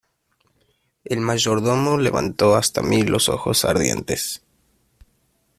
el mayordomo levantó hasta mí los ojos ardientes: